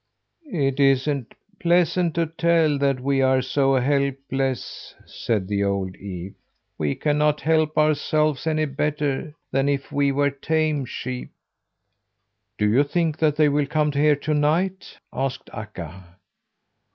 "It isn't pleasant to tell that we are so helpless," said the old ewe. "We cannot help ourselves any better than if we were tame sheep." "Do you think that they will come here to night?" asked Akka.